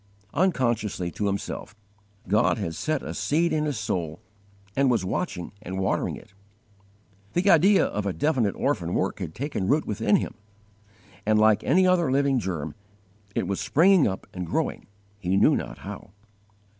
Unconsciously to himself, God had set a seed in his soul, and was watching and watering it. The idea of a definite orphan work had taken root within him, and, like any other living germ, it was springing up and growing, he knew not how.